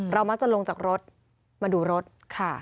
เรามาจัดลงจากรถมาดูรถค่ะ